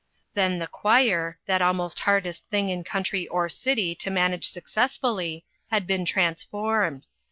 Then the choir that almost hardest thing in country or city to manage successfully had been transformed.